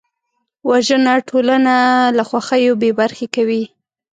وژنه ټولنه له خوښیو بېبرخې کوي